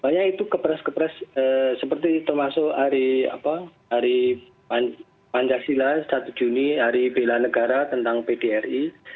banyak itu kepres kepres seperti termasuk hari pancasila satu juni hari bela negara tentang pdri